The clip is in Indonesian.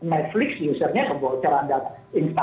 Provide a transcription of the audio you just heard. netflix usernya kebocoran data